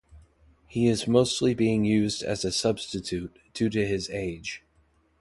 He is mostly being used as a substitute, due to his age.